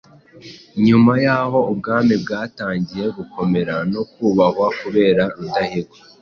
Nyuma y'aho ubwami bwatangiye gukomera no kubahwa kubera Rudahigwa: